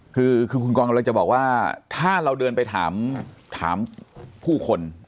คือคุณกรกำลังจะบอกว่าถ้าเราเดินไปถามผู้คน